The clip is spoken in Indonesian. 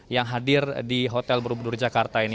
yang hadir di hotel berubudur jakarta ini